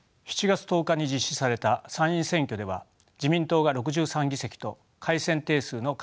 ７月１０日に実施された参院選挙では自民党が６３議席と改選定数の過半数を獲得しました。